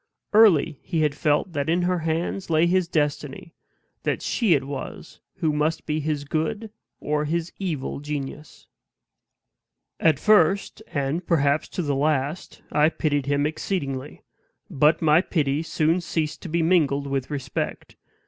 Early he had felt that in her hands lay his destiny; that she it was who must be his good or his evil genius. At first, and perhaps to the last, I pitied him exceedingly. But my pity soon ceased to be mingled with respect.